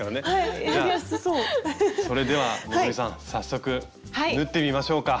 それでは希さん早速縫ってみましょうか。